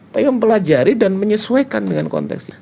tapi mempelajari dan menyesuaikan dengan konteksnya